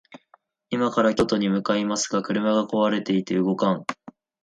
今から京都に向かいますが、車が壊れていて動かん